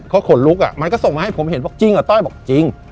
เขาขนลุกอ่ะมันก็ส่งมาให้ผมเห็นบอกจริงอ่ะต้อยบอกจริง